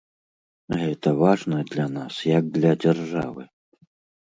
Гэта важна для нас, як для дзяржавы.